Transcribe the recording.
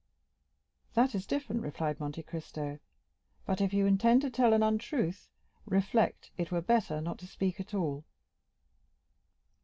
"That is different," replied Monte Cristo; "but if you intend to tell an untruth, reflect it were better not to speak at all."